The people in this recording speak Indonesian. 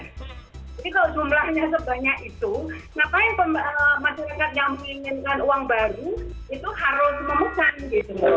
jadi kalau jumlahnya sebanyak itu ngapain masyarakat yang menginginkan uang baru itu harus memesan gitu